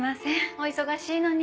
お忙しいのに。